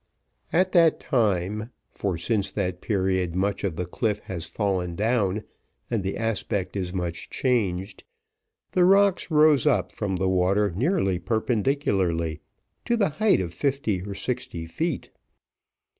At that time, for since that period much of the cliff has fallen down, and the aspect is much changed, the rocks rose up from the water nearly perpendicularly, to the height of fifty or sixty feet.